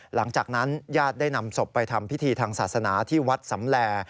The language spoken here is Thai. หลังจากนั้นญาติได้นำศพไปทำพิธีทางศาสนาที่วัดสำแล